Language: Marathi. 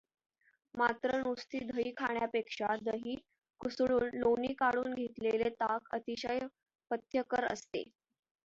मात्र नुसते दही खाण्यापेक्षा दही घुसळून लोणी काढून घेतलेले ताक अतिशय पथ्यकर असते.